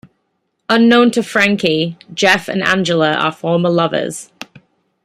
Unknown to Frankie, Jeff and Angela are former lovers.